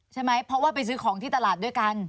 ใช่ไหมเพราะว่าไปซื้อของที่ตลาดด้วยกัน